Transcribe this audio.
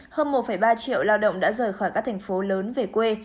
hơn một ba triệu lao động đã rời khỏi các thành phố lớn về quê